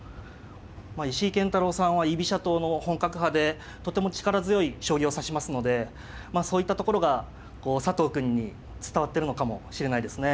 まあ石井健太郎さんは居飛車党の本格派でとても力強い将棋を指しますのでまあそういったところがこう佐藤くんに伝わってるのかもしれないですね。